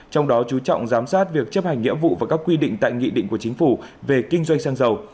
trong đó chú trọng giám sát việc chấp hành nghĩa vụ và các quy định tại nghị định của chính phủ về kinh doanh xăng dầu